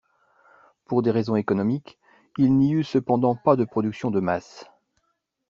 Pour des raisons économiques, il n'y eut cependant pas de production de masse.